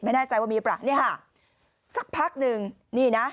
ไม่แน่ใจว่ามีประเนี่ยค่ะสักพักหนึ่งนี่นะ